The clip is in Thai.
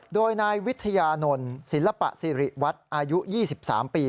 โดยนายวิทยานนท์ศิลปะสิริวัตรอายุ๒๓ปี